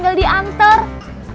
udah bener kamu